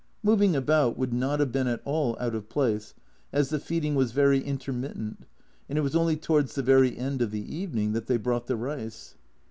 Moving about would not have been at all out of place, as the feeding was very intermittent, and it was only towards the very end of the evening that they brought the rice.